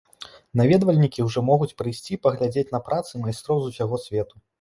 Наведвальнікі ўжо могуць прыйсці і паглядзець на працы майстроў з усяго свету.